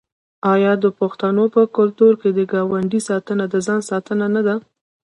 آیا د پښتنو په کلتور کې د ګاونډي ساتنه د ځان ساتنه نه ده؟